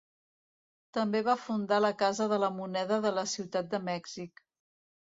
També va fundar la Casa de la Moneda de la Ciutat de Mèxic.